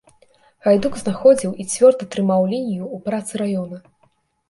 Гайдук знаходзіў і цвёрда трымаў лінію ў працы раёна.